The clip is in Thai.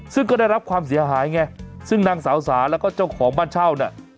ซึ่งก็ได้รับความเสียหายไงซึ่งนางสาวสาแล้วก็เจ้าของบ้านเช่าเนี่ย